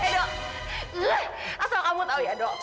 edo asal kamu tahu ya do